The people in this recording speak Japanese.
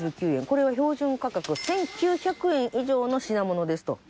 これは標準価格１９００円以上の品物ですと。